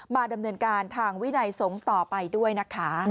ดำเนินการทางวินัยสงฆ์ต่อไปด้วยนะคะ